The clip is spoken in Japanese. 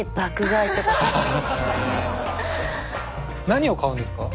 何を買うんですか？